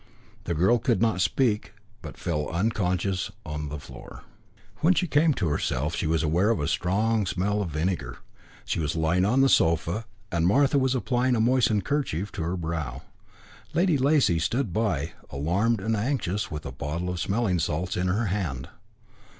The girl could not speak, but fell unconscious on the floor. When she came to herself, she was aware of a strong smell of vinegar. She was lying on the sofa, and Martha was applying a moistened kerchief to her brow. Lady Lacy stood by, alarmed and anxious, with a bottle of smelling salts in her hand.